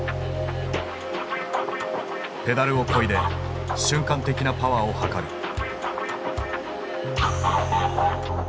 ペダルをこいで瞬間的なパワーを測る。